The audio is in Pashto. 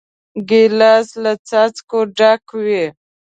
ګیلاس له څاڅکو ډک وي.